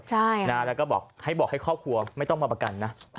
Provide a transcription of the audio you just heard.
ใช่นะแล้วก็บอกให้บอกให้ครอบครัวไม่ต้องมาประกันนะ